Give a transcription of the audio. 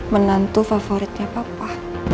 menantu favoritnya papa